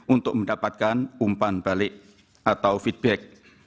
untuk mendapatkan umpan balik atau feedback